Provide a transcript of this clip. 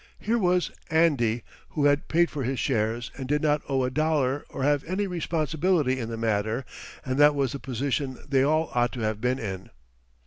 Here was "Andy" who had paid for his shares and did not owe a dollar or have any responsibility in the matter, and that was the position they all ought to have been in.